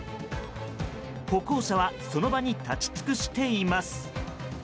歩行者はその場に立ち尽くしています。